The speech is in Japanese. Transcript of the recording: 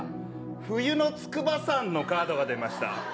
冬の筑波山のカードが出ました。